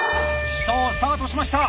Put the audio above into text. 紫桃スタートしました。